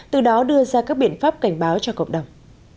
từ đó đưa ra các biện pháp cảnh báo cho cộng đồng